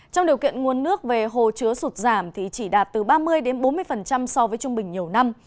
trong điều kiện nguồn nước về hồ chứa sụt giảm thì chỉ đạt từ ba mươi bốn mươi so với trung bình nhiều năm